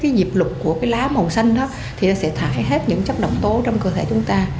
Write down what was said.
cái dịp lục của lá màu xanh sẽ thải hết những chất động tố trong cơ thể chúng ta